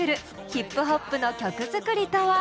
ヒップホップの曲作りとは？